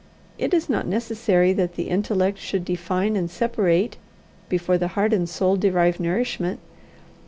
It is not necessary that the intellect should define and separate before the heart and soul derive nourishment.